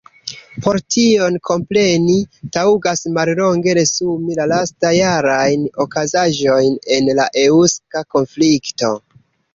Por tion kompreni, taŭgas mallonge resumi la lastjarajn okazaĵojn en la eŭska konflikto.